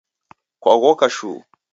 Kwaghoka shuu